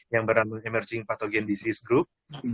yang bernama emerging pathogen disease group